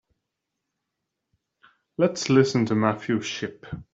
Let's listen to Matthew Shipp.